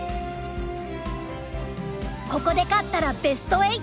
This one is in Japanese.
ここで勝ったらベスト８！